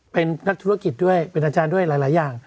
เป็นนักธุรกิจด้วยเป็นอาจารย์ด้วยหลายอย่าง